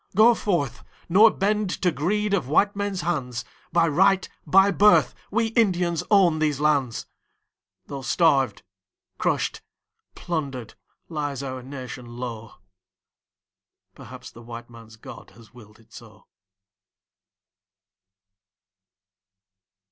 Go forth, nor bend to greed of white men's hands, By right, by birth we Indians own these lands, Though starved, crushed, plundered, lies our nation low... Perhaps the white man's God has willed it so.